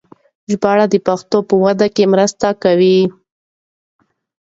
ژباړه د ژبې په وده کې مرسته کوي.